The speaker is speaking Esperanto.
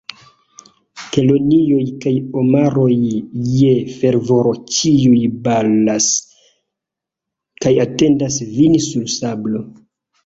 Kelonioj kaj omaroj je fervoro ĉiuj bolas, kaj atendas vin sur sablo!